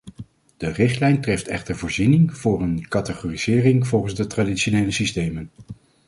De richtlijn treft echter voorziening voor een categorisering volgens de traditionele systemen.